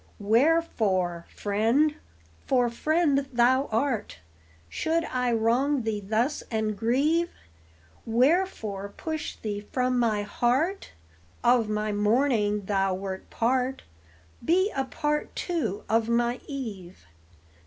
Wherefore, friend, for friend thou art, Should I wrong thee thus and grieve? Wherefore push thee from my heart? Of my morning thou wert part; Be a part too of my eve.